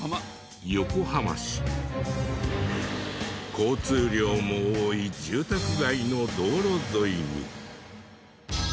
交通量も多い住宅街の道路沿いに。